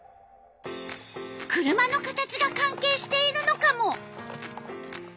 車の形が関係しているのカモ？